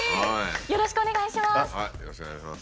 よろしくお願いします！